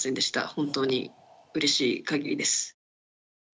本当にうれしいかぎりです。